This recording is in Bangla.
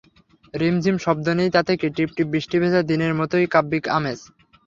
রিমঝিম শব্দ নেই তাতে কি, টিপটিপ বৃষ্টিভেজা দিনের মতোই কাব্যিক আমেজ।